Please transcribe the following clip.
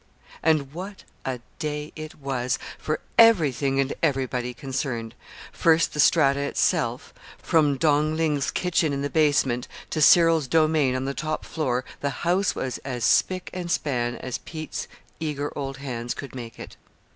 And what a day it was, for everything and everybody concerned! First the Strata itself: from Dong Ling's kitchen in the basement to Cyril's domain on the top floor, the house was as spick and span as Pete's eager old hands could make it.